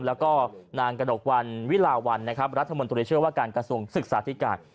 แล้วก็นางกระดกวัญวิลาวัลรัฐมนตรีเชื้อการกรสวงศึกษาธิกาศ